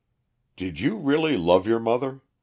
"Did you really love your mother?"